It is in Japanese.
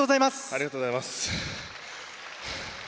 ありがとうございます。